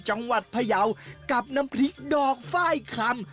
จังหวัดพยาวกับน้ำพริกดอกไฟล์คำ